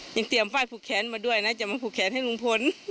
ยังเตรียมฝ้ายผูกแขนมาด้วยนะจะมาผูกแขนให้ลุงพล